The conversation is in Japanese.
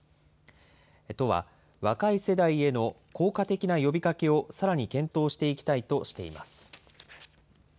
都は若い世代への効果的な呼びかけをさらに検討していきたいとしています。